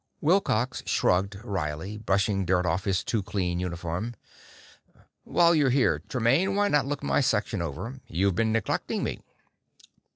Wilcox shrugged wryly, brushing dirt off his too clean uniform. "While you're here, Tremaine, why not look my section over? You've been neglecting me."